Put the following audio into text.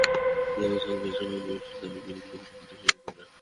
মজুত থাকা পেঁয়াজ সবাই বেশি দামে পেঁয়াজ বিক্রি করতে শুরু করে।